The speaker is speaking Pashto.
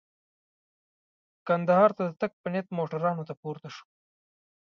کندهار ته د تګ په نیت موټرانو ته پورته شولو.